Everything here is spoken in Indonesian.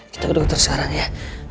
kita ke dokter sekarang ya